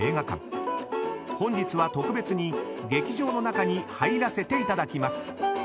［本日は特別に劇場の中に入らせていただきます］